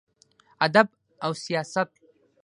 ادب او سياست: